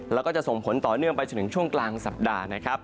แล้วก็จะส่งผลต่อเนื่องไปจนถึงช่วงกลางสัปดาห์นะครับ